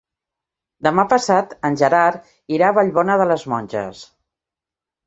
Demà passat en Gerard irà a Vallbona de les Monges.